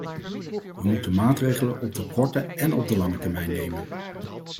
We moeten maatregelen op de korte en op de lange termijn nemen.